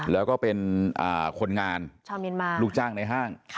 แล้วก็เป็นคนงานลูกจ้างในห้าง